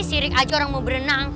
sirik aja orang mau berenang